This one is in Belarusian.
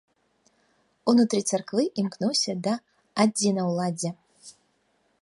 Унутры царквы імкнуўся да адзінаўладдзя.